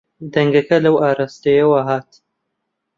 دەنگەکە لەو ئاراستەیەوە هات.